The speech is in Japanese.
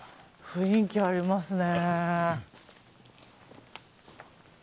雰囲気ありますね。